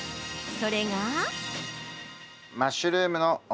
それが。